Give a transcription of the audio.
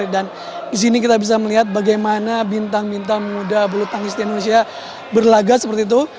dan di sini kita bisa melihat bagaimana bintang bintang muda bulu tangki setiap indonesia berlagak seperti itu